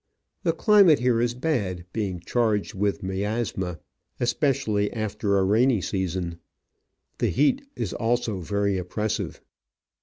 The climate here is bad, being charged with miasma, especially after the rainy season. The heat is also very oppressive.